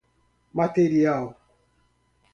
material